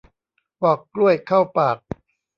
ปอกกล้วยเข้าปาก